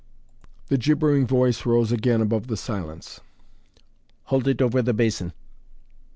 The gibbering voice rose again above the silence. "Hold it over the basin!"